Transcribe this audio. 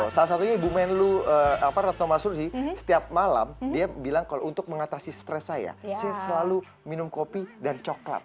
salah satunya ibu menlu retno marsudi setiap malam dia bilang kalau untuk mengatasi stres saya saya selalu minum kopi dan coklat